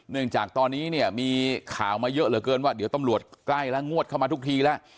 จากตอนนี้เนี่ยมีข่าวมาเยอะเหลือเกินว่าเดี๋ยวตำรวจใกล้แล้วงวดเข้ามาทุกทีแล้ว